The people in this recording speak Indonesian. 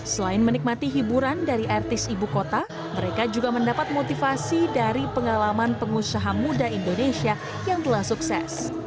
selain menikmati hiburan dari artis ibu kota mereka juga mendapat motivasi dari pengalaman pengusaha muda indonesia yang telah sukses